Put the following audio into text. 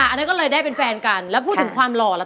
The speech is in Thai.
อันนั้นก็เลยได้เป็นแฟนกันแล้วพูดถึงความหล่อล่ะ